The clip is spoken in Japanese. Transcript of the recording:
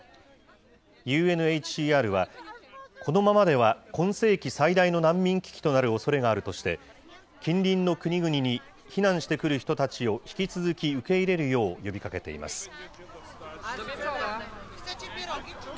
ＵＮＨＣＲはこのままでは、今世紀最大の難民危機となるおそれがあるとして、近隣の国々に避難してくる人たちを、引き続き受け入れるよう、呼びかけています。